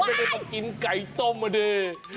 มันไม่มากินไก่ต้มเลย